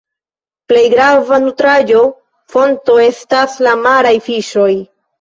Plej grava nutraĵa fonto estas la maraj fiŝoj.